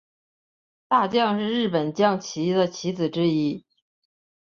大将是日本将棋的棋子之一。